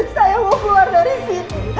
saya mau keluar dari sini